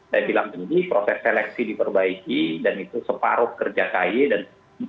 saya bilang begini proses seleksi diperbaiki dan itu separuh kerja kay dan